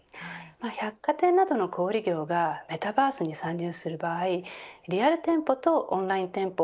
百貨店などの小売り業がメタバースに参入する場合リアル店舗とオンライン店舗